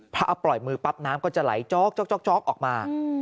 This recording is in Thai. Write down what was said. พอปล่อยมือปั๊บน้ำก็จะไหลจ๊อกออกมา